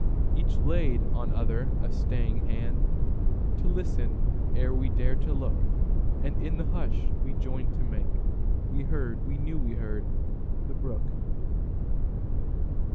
Each laid on other a staying handTo listen ere we dared to look, And in the hush we joined to makeWe heard—we knew we heard—the brook.